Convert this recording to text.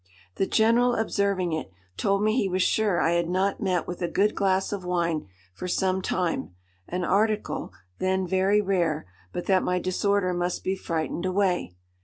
The General observing it, told me he was sure I had not met with a good glass of wine for some time,—an article then very rare,—but that my disorder must be frightened away.